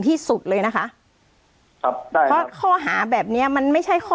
ที่สุดเลยนะคะครับได้ครับเพราะข้อหาแบบเนี้ยมันไม่ใช่ข้อ